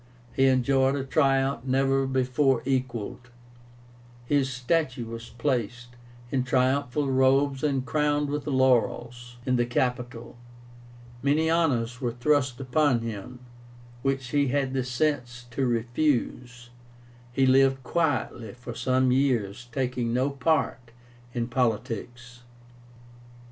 He enjoyed a triumph never before equalled. His statue was placed, in triumphal robes and crowned with laurels, in the Capitol. Many honors were thrust upon him, which he had the sense to refuse. He lived quietly for some years, taking no part in politics.